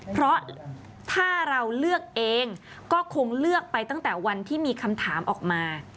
เพราะถ้าเราเลือกเองก็คงเลือกไปตั้งแต่วันที่มีคำถามออกมา